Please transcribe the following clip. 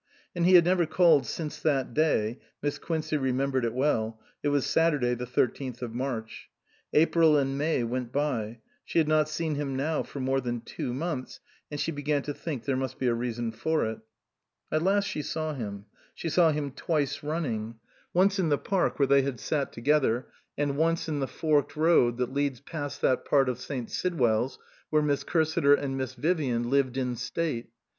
And he had never called since that day Miss Quincey remembered it well ; it was Saturday the thirteenth of March. April and May went by ; she had not seen him now for more than two months ; and she began to think there must be a reason for it. At last she saw him ; she saw him twice running. Once in the park where they had 278 A PAINFUL MISUNDERSTANDING sat together, and once in the forked road that leads past that part of St. Sidwell's where Miss Cursiter and Miss Vivian lived in state.